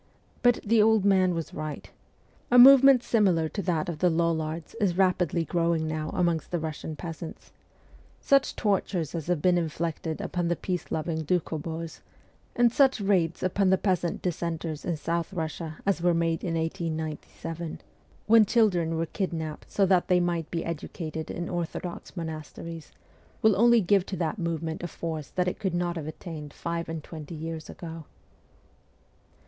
But the old man was right. A movement similar to that of the Lollards is rapidly growing now amongst the Russian peasants. Such tortures as have been inflicted on the peace loving Dukhob6rs, and such raids upon the peasant dissenters in South Russia as 104 MEMOIRS OF A REVOLUTIONIST were made in 1897, when children were kidnapped so that they might be educated in orthodox monasteries, will only give to that movement a force that it could not have attained five and twenty years ago.